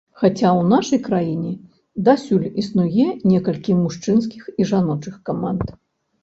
Хаця ў нашай краіне дасюль існуе некалькі мужчынскіх і жаночых каманд.